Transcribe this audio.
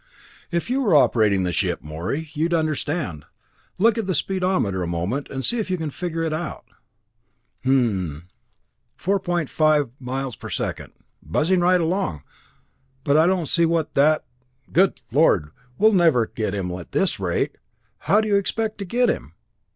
"If you were operating the ship, Morey, you'd understand. Look at the speedometer a moment and see if you can figure it out." "Hmmm 4.5 miles per second buzzing right along but I don't see what that good Lord! We never will get him at this rate! How do you expect to get him?"